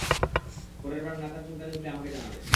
পরেরবার নাচার চুলকানি উঠলে আমাকে জানাবে।